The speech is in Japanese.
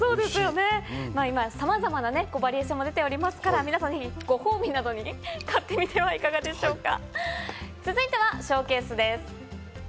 さまざまなバリエーションも出ていますから皆さんご褒美などに買ってみてはいかがでしょうか。